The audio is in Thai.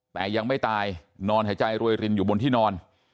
แต่ยังไม่ตายนอนหายใจรวยรินอยู่บนที่นอน